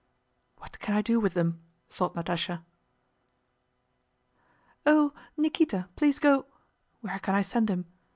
"What can I do with them?" thought Natásha. "Oh, Nikíta, please go... where can I send him?...